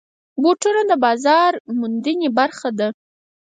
بوټونه د بازار موندنې برخه ده.